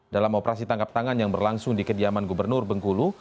dalam operasi tangkap tangan yang berlangsung di kediaman gubernur bengkulu